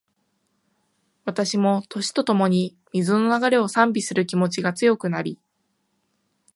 私も、年とともに、水の流れを賛美する気持ちが強くなり